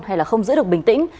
hay là không giữ được bình tĩnh